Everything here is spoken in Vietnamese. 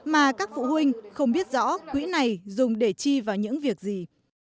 mà các phụ huynh không biết rõ quỹ này dùng để chi vào những việc gì